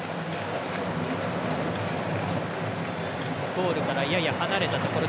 ゴールからやや離れたところ。